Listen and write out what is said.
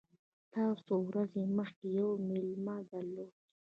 تا څو ورځي مخکي یو مېلمه درلود !